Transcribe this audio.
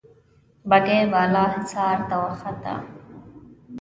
بګۍ بالا حصار ته وخته.